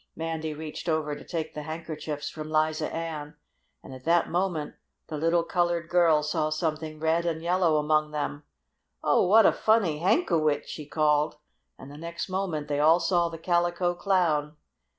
Mandy reached over to take the handkerchiefs from Liza Ann, and at that moment the little colored girl saw something red and yellow among them. "Oh, what a funny handkowitch!" she called, and the next moment they all saw the Calico Clown.